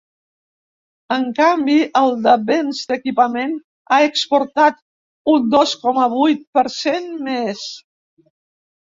En canvi, el de béns d’equipament ha exportat un dos coma vuit per cent més.